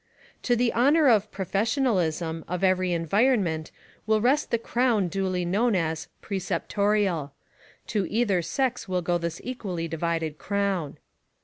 To the honor of "professionalism" of every environment will rest the crown duly known as "preceptorial." To either sex will go this equally divided crown.